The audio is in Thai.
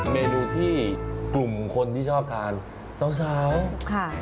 เมนูที่กลุ่มคนที่ชอบทานสาวค่ะ